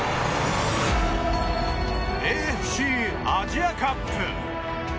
ＡＦＣアジアカップ。